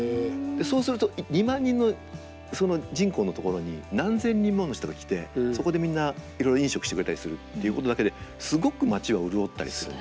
そうすると２万人の人口のところに何千人もの人が来てそこでみんないろいろ飲食してくれたりするっていうことだけですごく町は潤ったりするんですよ。